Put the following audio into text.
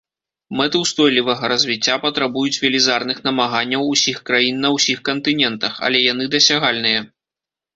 Мэты ўстойлівага развіцця патрабуюць велізарных намаганняў усіх краін на ўсіх кантынентах, але яны дасягальныя.